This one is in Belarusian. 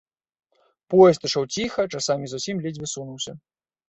Поезд ішоў ціха, часамі зусім ледзьве сунуўся.